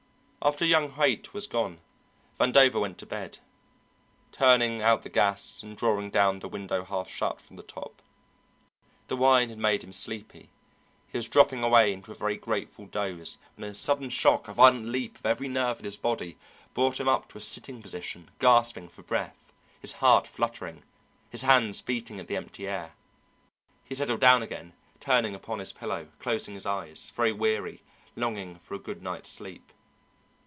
After young Haight was gone, Vandover went to bed, turning out the gas and drawing down the window half way from the top. The wine had made him sleepy; he was dropping away into a very grateful doze when a sudden shock, a violent leap of every nerve in his body, brought him up to a sitting posture, gasping for breath, his heart fluttering, his hands beating at the empty air. He settled down again, turning upon his pillow, closing his eyes, very weary, longing for a good night's sleep.